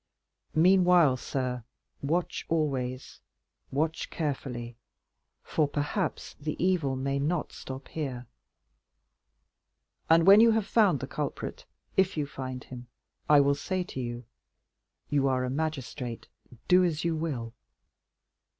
Meanwhile, sir, watch always—watch carefully, for perhaps the evil may not stop here. And when you have found the culprit, if you find him, I will say to you, 'You are a magistrate, do as you will!